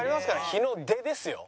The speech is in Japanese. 日の出ですよ。